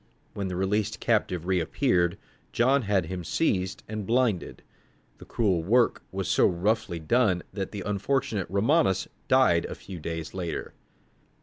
When the released captive reappeared, John had him seized and blinded. The cruel work was so roughly done that the unfortunate Romanus died a few days later.